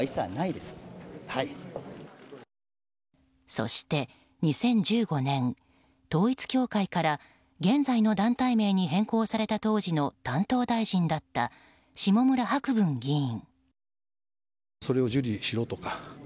そして、２０１５年統一教会から現在の団体名に変更された当時の担当大臣だった下村博文議員。